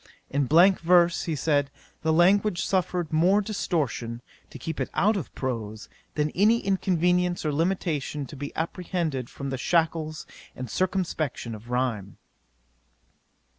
In blank verse, he said, the language suffered more distortion, to keep it out of prose, than any inconvenience or limitation to be apprehended from the shackles and circumspection of rhyme.